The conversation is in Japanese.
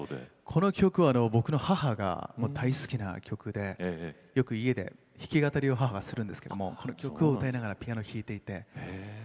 この曲は僕の母が大好きな曲で、よく家で母は弾き語りをするんですけど曲を歌いながらピアノを弾いていて。